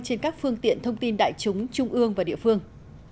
trên các phương tiện thông tin đại chúng trung ương và địa phương